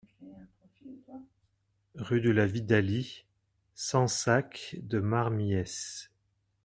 Rue de la Vidalie, Sansac-de-Marmiesse